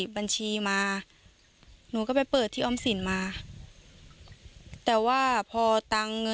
อาจจะขอโทษพี่บินแล้วชาวบนทุกคน